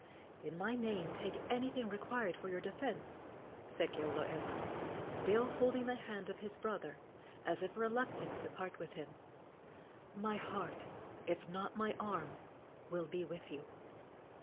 "In my name take anything required for your defence," said Keoloewa, still holding the hand of his brother, as if reluctant to part with him; "my heart, if not my arm, will be with you!"